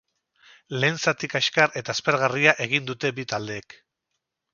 Lehen zati kaskar eta aspergarria egin dute bi taldeek.